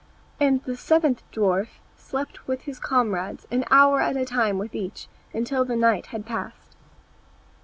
And the seventh dwarf slept with his comrades, an hour at a time with each, until the night had passed.